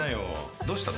どうしたの？